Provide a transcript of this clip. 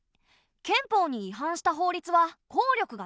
憲法に違反した法律は効力がないんだ。